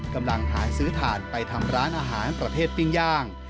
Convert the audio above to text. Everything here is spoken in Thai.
กำลังหาซื้อถ่านไปทำร้านอาหารประเภทปิ้งย่าง